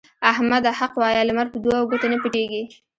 احمده! حق وايه؛ لمر په دوو ګوتو نه پټېږي.